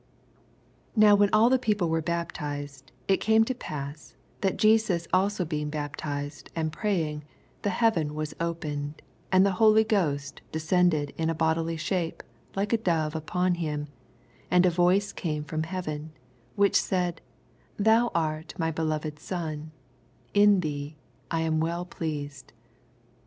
SI |?ow when ail the people were baptised, it oame to pass, that Jeaoa bIso beix^f baptized, and praying, the heaven was opened, 22 And the Holy Ohoet descended )n a bodily shape like a dove npon Mm, and a voioe came from heaven, ^hioh said, Thon art my beloved Son ; fei thee I am well pleased.